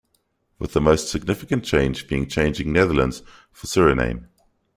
With the most significant change being changing Netherlands for Suriname.